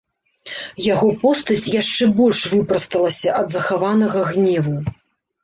Яго постаць яшчэ больш выпрасталася ад захаванага гневу.